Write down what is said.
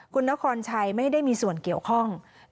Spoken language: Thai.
คุณนครชัยไม่ได้มีส่วนเกี่ยวข้อง